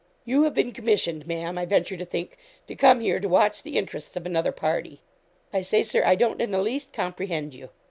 'You have been commissioned, Ma'am, I venture to think, to come here to watch the interests of another party.' 'I say, Sir, I don't in the least comprehend you.'